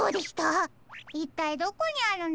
いったいどこにあるんだろう？